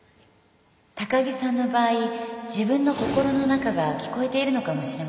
高木さんの場合自分の心の中が聞こえているのかもしれません